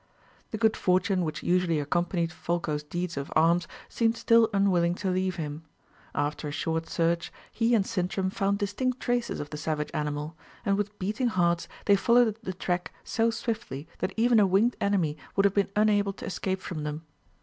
The good fortune which usually accompanied Folko's deeds of arms seemed still unwilling to leave him. After a short search, he and Sintram found distinct traces of the savage animal, and with beating hearts they followed the track so swiftly that even a winged enemy would have been unable to escape from them.